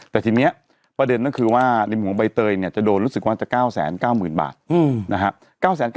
แต่ทีนี้ประเด็นก็คือว่าในมุมของใบเตยเนี่ยจะโดนรู้สึกว่าจะ๙๙๐๐๐บาทนะฮะ